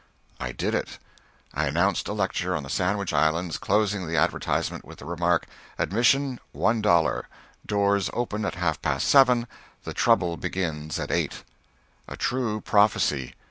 I did it. I announced a lecture on the Sandwich Islands, closing the advertisement with the remark, "Admission one dollar; doors open at half past 7, the trouble begins at 8." A true prophecy.